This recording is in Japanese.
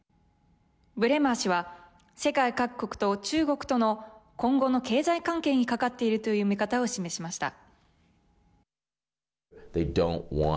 ブレマー氏は、世界各国と中国との今後の経済関係にかかっているという見方を示しました。